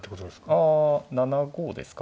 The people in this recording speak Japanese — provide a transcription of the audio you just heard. あ７五ですか。